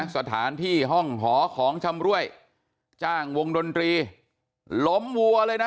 สถานที่ห้องหอของชำรวยจ้างวงดนตรีล้มวัวเลยนะ